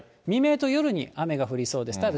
未明と夜に雨が降りそうです。